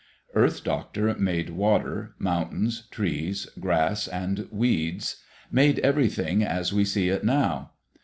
Earth Doctor made water, mountains, trees, grass, and weeds made everything as we see it now.